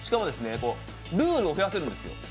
ルールを増やせるんです。